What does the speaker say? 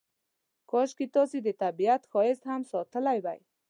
کاش تاسې د طبیعت ښایست هم ساتلی وای.